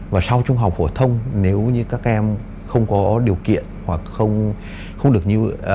và sau trung học phổ thông nếu như các em không có điều kiện hoặc không được như